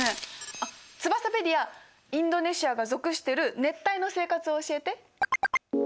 あっツバサペディアインドネシアが属してる熱帯の生活を教えて。